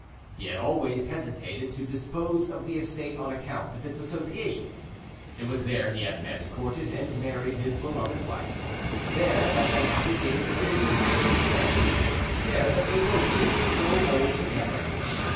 He had always hesitated to dispose of the estate on account of its associations; it was there he had met, courted, and married his beloved wife; there that the happy days of their youth had been spent; there that they both wished to grow old together.